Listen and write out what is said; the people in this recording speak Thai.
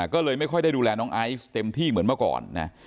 ก็เลยไม่ค่อยได้ดูแลน้องไอซ์เต็มที่เหมือนเมื่อก่อนนะ